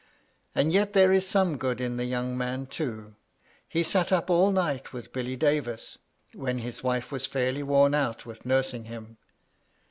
'' And yet there is some good in the young man, too. He sat up all night with Billy Davis, when his wife was fairly worn out with nursing him."